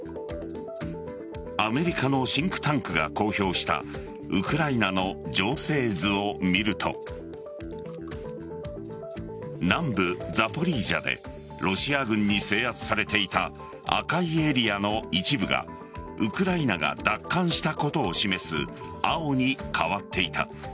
アメリカのシンクタンクが公表したウクライナの情勢図を見ると南部・ザポリージャでロシア軍に制圧されていた赤いエリアの一部がウクライナが奪還したことを示す青に変わっていた。